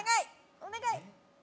お願い！